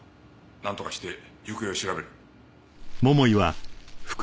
なんとかして行方を調べる。